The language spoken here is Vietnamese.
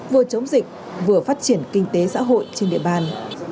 vừa chống dịch vừa phát triển kinh tế xã hội trên địa bàn